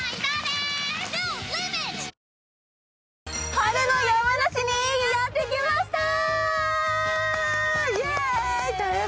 春の山梨にやってきましたー！